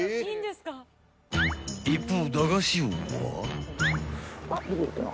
［一方駄菓子王は］